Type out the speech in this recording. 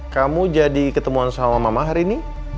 kamu jadi ketemuan sama mama hari ini